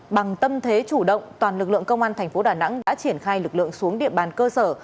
bằng tâm thế chủ động toàn lực lượng công an thành phố đà nẵng đã triển khai lực lượng xuống địa bàn cơ sở